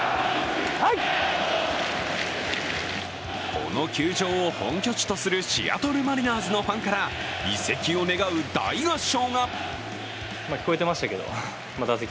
この球場を本拠地とするシアトル・マリナーズのファンから移籍を願う大合唱が。